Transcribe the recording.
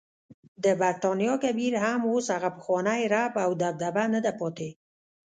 د برټانیا کبیر هم اوس هغه پخوانی رعب او دبدبه نده پاتې.